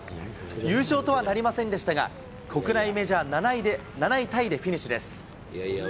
優勝とはなりませんでしたが、国内メジャー７位タイでフィニッシュです。